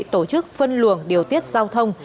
tổ chức phân luồng điều tiết giao thông